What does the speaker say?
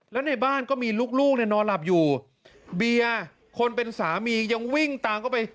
แล้วในบ้านก็มีลูกลูกเนี่ยนอนหลับอยู่เบียร์คนเป็นสามียังวิ่งตามเข้าไป